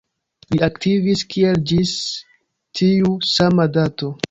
Li aktivis kiel ĝis tiu sama dato.